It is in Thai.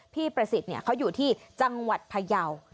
๐๙๗๒๖๑๙๙๕๙พี่ประสิทธิ์เนี่ยเขาอยู่ที่จังหวัดพะเยา